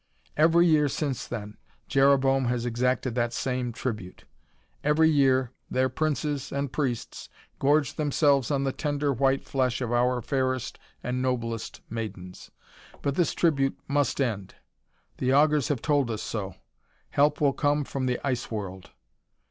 "Every year since then Jereboam has exacted that same tribute. Every year their princes and priests gorge themselves on the tender white flesh of our fairest and noblest maidens. But this tribute must end! The augurs have told us so. Help will come from the Ice World."